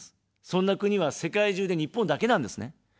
そんな国は世界中で日本だけなんですね。